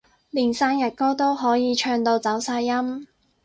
連生日歌都可以唱到走晒音